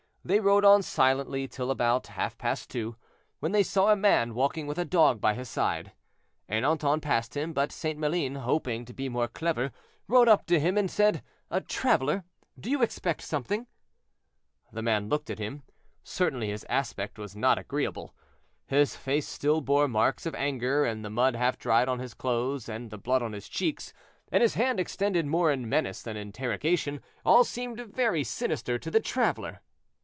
They rode on silently till about half past two, when they saw a man walking with a dog by his side. Ernanton passed him; but St. Maline, hoping to be more clever, rode up to him and said, "Traveler, do you expect something?" The man looked at him. Certainly his aspect was not agreeable. His face still bore marks of anger, and the mud half dried on his clothes and the blood on his cheeks, and his hand extended more in menace than interrogation, all seemed very sinister to the traveler.